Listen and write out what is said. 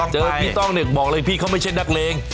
พี่ต้องเนี่ยบอกเลยพี่เขาไม่ใช่นักเลง